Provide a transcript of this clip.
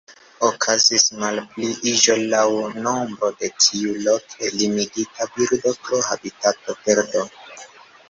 Okazis malpliiĝo laŭ nombro de tiu loke limigita birdo pro habitatoperdo.